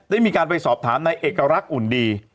ได้มีการไปสอบถามในเอกลักษณ์อุ่นดี